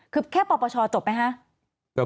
คือแค่ปปชจบไหมคะ